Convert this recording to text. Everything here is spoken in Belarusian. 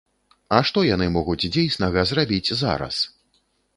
А што яны могуць дзейснага зрабіць зараз?